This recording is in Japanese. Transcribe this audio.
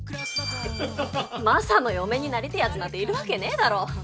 マサの嫁になりてえやつなんているわけねえだろ。